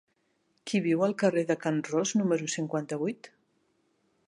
Qui viu al carrer de Can Ros número cinquanta-vuit?